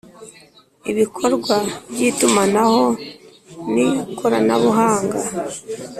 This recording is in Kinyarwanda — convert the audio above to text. ibikorwa by itumanaho ni koranabuhanga